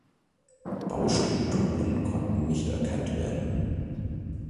Baustrukturen konnten nicht erkannt werden.